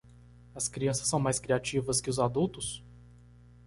As crianças são mais criativas que os adultos?